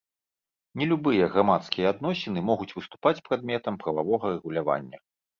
Не любыя грамадскія адносіны могуць выступаць прадметам прававога рэгулявання.